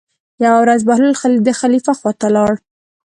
یوه ورځ بهلول د خلیفه خواته لاړ.